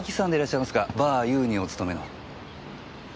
バー「優」にお勤めの。